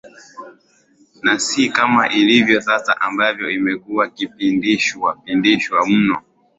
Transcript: Na si kama ilivyo sasa ambavyo imekuwa ikipindishwa pindishwa mno